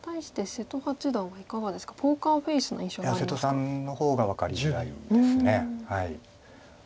瀬戸さんの方が分かりづらいです。